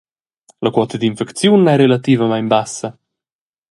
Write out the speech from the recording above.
La quota d’infecziun ei relativamein bassa.